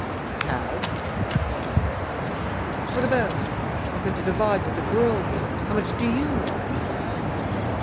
"I have!" Rodwell snapped. "What about it? I've got to divide with the girl here. How much do you want?"